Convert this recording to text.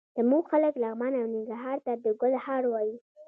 زموږ خلک لغمان او ننګرهار ته د ګل هار وايي.